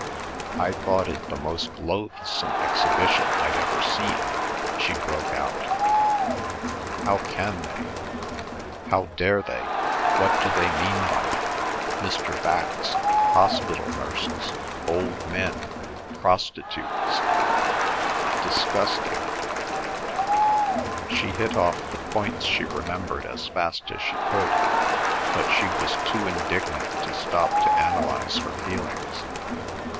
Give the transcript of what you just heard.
"I thought it the most loathsome exhibition I'd ever seen!" she broke out. "How can they—how dare they—what do you mean by it—Mr. Bax, hospital nurses, old men, prostitutes, disgusting—" She hit off the points she remembered as fast as she could, but she was too indignant to stop to analyse her feelings.